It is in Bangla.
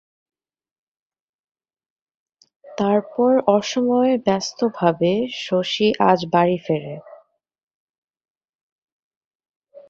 তারপর অসময়ে ব্যস্তভাবে শশী আজ বাড়ি ফেরে।